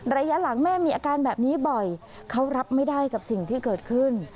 ระยะหลังแม่มีอาการแบบนี้บ่อยเขารับไม่ได้กับสิ่งที่เกิดขึ้น